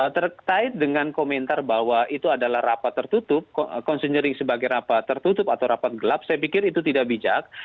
terkait dengan komentar bahwa itu adalah rapat tertutup konsenering sebagai rapat tertutup atau rapat gelap saya pikir itu tidak bijak